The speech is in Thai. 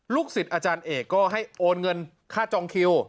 สิทธิ์อาจารย์เอกก็ให้โอนเงินค่าจองคิว